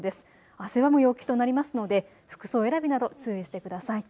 汗ばむ陽気となりますので服装選びなど注意してください。